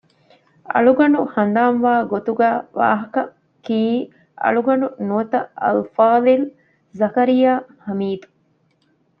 އަޅުގަނޑު ހަނދާންވާ ގޮތުގައި ވާހަކަ ކިއީ އަޅުގަޑު ނުވަތަ އަލްފާޟިލް ޒަކަރިޔާ ޙަމީދު